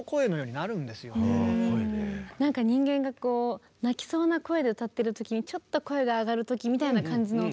なんか人間がこう泣きそうな声で歌ってる時にちょっと声が上がる時みたいな感じの音とかありますよね。